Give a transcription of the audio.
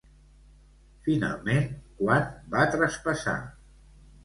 Finalment, quan va traspassar?